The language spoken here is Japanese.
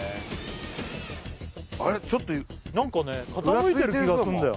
あれっちょっと何かね傾いてる気がすんだよ